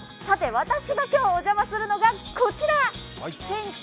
私が今日お邪魔するのがこちら。